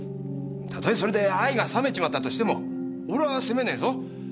例えそれで愛が冷めちまったとしても俺は責めねえぞ。